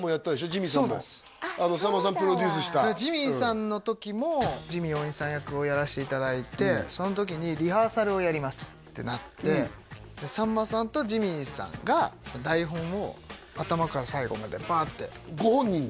ジミーさんもさんまさんプロデュースしたジミーさんの時もジミー大西さん役をやらせていただいてその時にリハーサルをやりますってなってさんまさんとジミーさんが台本を頭から最後までバーッてご本人で？